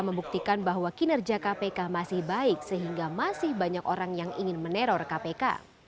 membuktikan bahwa kinerja kpk masih baik sehingga masih banyak orang yang ingin meneror kpk